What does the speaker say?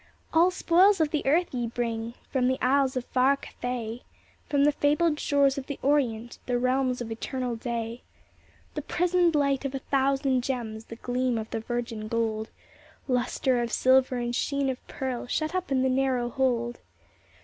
All spoils of the earth ye bring ; From the isles of far Cathay, From the fabled shores of the Orient, The realms of eternal day. The prisoned light of a thousand gems, The gleam of the virgin gold, Lustre of silver, and sheen of pearl, Shut up in the narrow hold.